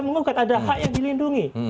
mengugat ada hak yang dilindungi